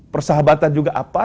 persahabatan juga apa